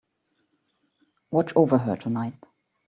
Watch over her tonight.